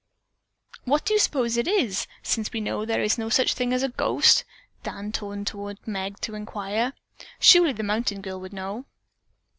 "What do you suppose it is, since we know there is no such thing as a ghost?" Dan turned toward Meg to inquire. Surely the mountain girl would know.